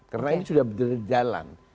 karena ini sudah berjalan